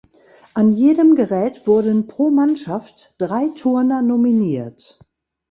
An jedem Gerät wurden pro Mannschaft drei Turner nominiert.